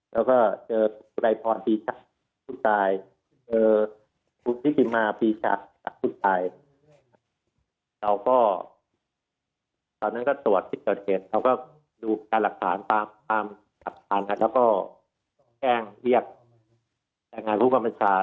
เราก็ดูการหลักฐานตามหลักฐานแล้วก็แก้งเรียกแจ้งงานภูมิความประมาณศาสตร์